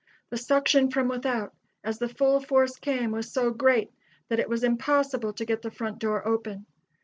The suction from without, as the full force came, was so great that it was impossible to get the front door open.